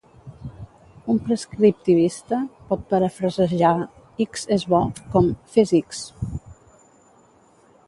Un prescriptivista pot parafrasejar "X és bo" com "Fes X!".